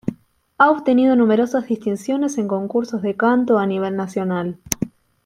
Ha obtenido numerosas distinciones en concursos de canto a nivel nacional.